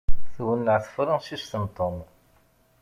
Twenneɛ tefransist n Tom.